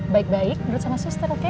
baik baik duduk sama sister oke